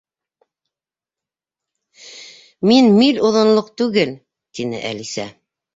—Мин миль оҙонлоҡ түгел, —тине Әлисә.